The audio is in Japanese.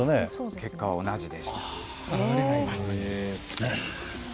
結果は同じでした。